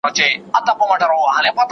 ¬ چي تيار دي، هغه د يار دي.